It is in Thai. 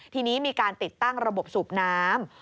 ทีนี้มีการติดตั้งระบบสูบน้ำ